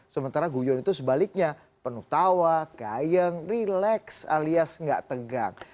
sementara guyon itu sebaliknya penuh tawa kayang rileks alias nggak tegang